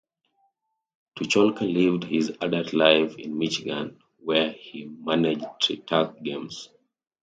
Tucholka lived his adult life in Michigan, where he managed Tri Tac Games.